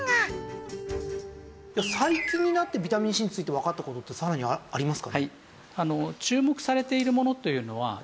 最近になってビタミンＣについてわかった事ってさらにありますかね？